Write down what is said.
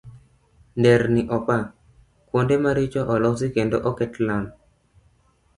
Nderni opa, kuonde maricho olosi kendo oket lam.